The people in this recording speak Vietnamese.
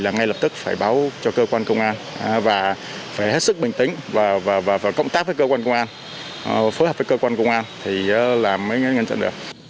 là ngay lập tức phải báo cho cơ quan công an và phải hết sức bình tĩnh và cộng tác với cơ quan công an phối hợp với cơ quan công an thì làm mới ngăn chặn được